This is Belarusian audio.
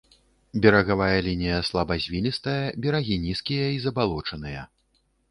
Берагавая лінія слабазвілістая, берагі нізкія і забалочаныя.